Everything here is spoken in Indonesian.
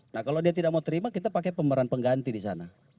nah kalau dia tidak mau terima kita pakai pemeran pengganti di sana